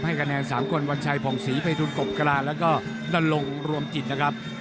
ให้คะแนน๓คนวันชัยผ่องศรีไปทุนกบกระลาฬแล้วก็นรรลงรวมจิตนะครับ